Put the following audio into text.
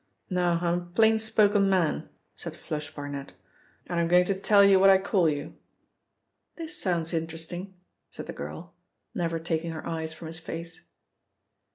"Now, I'm a plain spoken man," said 'Flush' Barnet, "And I'm going to tell you what I call you." "This sounds interesting," said the girl, never taking her eyes from his face.